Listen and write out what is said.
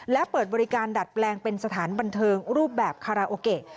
และเปิดบริการดัดแปลงเป็นสถานบันเทิงรูปแบบคาราโอเกะ